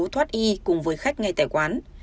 mua thoát y cùng với khách ngay tại quán